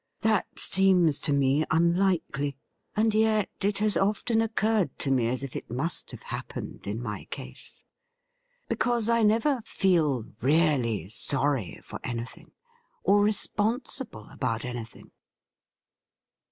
'' That seems to me unlikely, and yet it has often occurred to me as if it must have happened in my case. Because I never feel really sorry for anything, or responsible about, anything.'